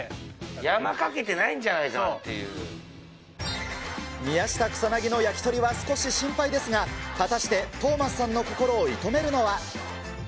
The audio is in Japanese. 山かけてないんじゃないかな宮下草薙の焼き鳥は少し心配ですが、果たしてトーマスさんの心を射止めるのは。